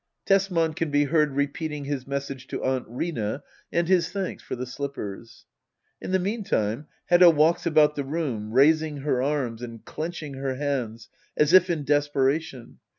Tesman can he heard re peating his message to Aunt Rina and his thanks for the slippers. \In the meantime, Hedda walks about the room, raising her arms and clencMng her hands as if in desperation.